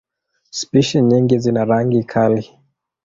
Spishi nyingi zina rangi kali.